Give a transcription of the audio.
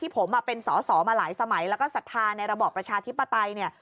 เพราะสอมาหลายสมัยแล้วก็ศรัทธาในระบอบประชาธิปไตย